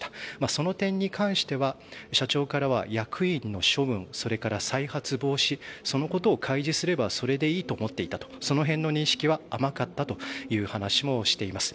その点に関しては社長からは役員の処分それから再発防止そのことを開示すればそれでいいと思っていたとその辺の認識は甘かったという話もしています。